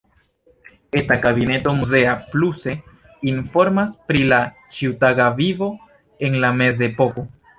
Eta kabineto muzea pluse informas pri la ĉiutaga vivo en la mezepoko.